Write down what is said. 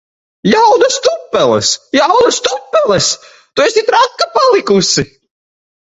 Jaunas tupeles! Jaunas tupeles! Tu esi traka palikusi!